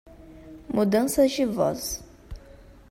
Mudanças de voz